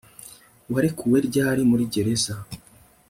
Warekuwe ryari muri gereza